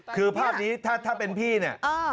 คือภาพนี้ถ้าเป็นพี่เนี่ย